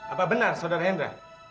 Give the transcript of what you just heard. apa benar saudara hendra